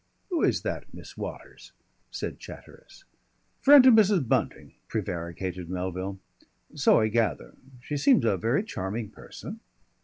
"Who is that Miss Waters?" asked Chatteris. "Friend of Mrs. Bunting," prevaricated Melville. "So I gather.... She seems a very charming person."